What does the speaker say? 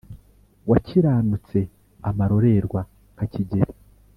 wakiranutse amarorerwa nka kigeli.